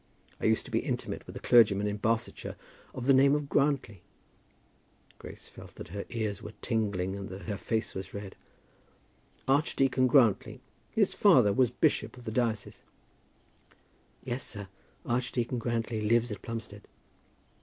I used to be intimate with a clergyman in Barsetshire of the name of Grantly;" Grace felt that her ears were tingling, and that her face was red; "Archdeacon Grantly. His father was bishop of the diocese." "Yes, sir. Archdeacon Grantly lives at Plumstead."